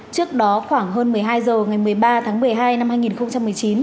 trước đó khoảng hơn một mươi hai h ngày một mươi ba tháng một mươi hai năm hai nghìn một mươi chín